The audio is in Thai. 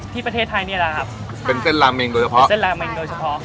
ที่ประเทศไทยนี่อะไรครับเป็นเส้นราเมนโดยเฉพาะเป็นเส้นราเมนโดยเฉพาะ